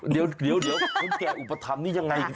เดี๋ยวคนแก่อุปถัมภนี่ยังไง